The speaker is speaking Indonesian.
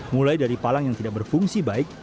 mulai dari palang yang tidak berfungsi baik